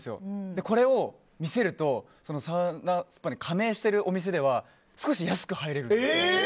これを、見せるとそのサウナ・スパに加盟してるお店では少し安く入れると。